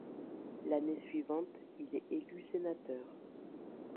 L'année suivante, il est élu Sénateur.